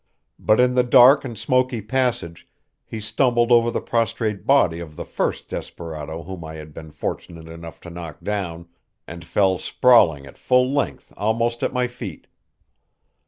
But in the dark and smoky passage he stumbled over the prostrate body of the first desperado whom I had been fortunate enough to knock down, and fell sprawling at full length almost at my feet.